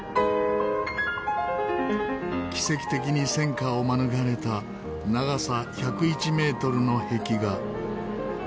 奇跡的に戦火を免れた長さ１０１メートルの壁画。